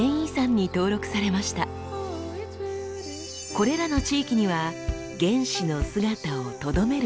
これらの地域には原始の姿をとどめるウサギ